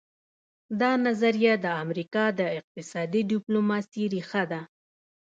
دا نظریه د امریکا د اقتصادي ډیپلوماسي ریښه ده